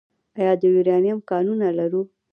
آیا د یورانیم کانونه لرو؟